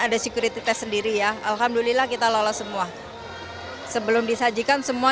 ada security test sendiri ya alhamdulillah kita lolos semua sebelum disajikan semua